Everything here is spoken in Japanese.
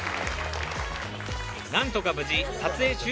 なんとか無事撮影終了！